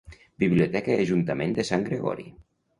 Biblioteca i Ajuntament de Sant Gregori.